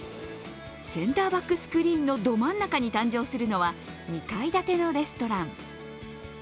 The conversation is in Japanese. センターバックスクリーンのど真ん中に誕生するのは２階建てのレストラン。